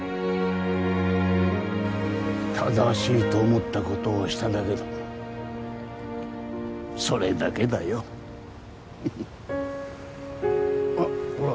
正しいと思ったことをしただけだそれだけだよあっほら